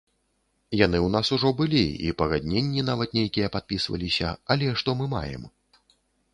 Яны ў нас ужо былі, і пагадненні нават нейкія падпісваліся, але што мы маем?